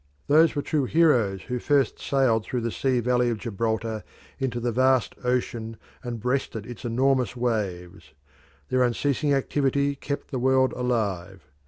Those were true heroes who first sailed through the sea valley of Gibraltar into the vast ocean and breasted its enormous waves. Their unceasing activity kept the world alive.